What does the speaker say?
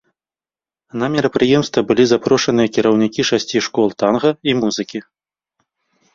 На мерапрыемства былі запрошаныя кіраўнікі шасці школ танга і музыкі.